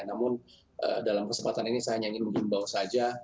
namun dalam kesempatan ini saya hanya ingin mengimbau saja